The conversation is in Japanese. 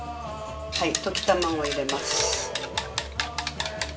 はい溶き卵入れます。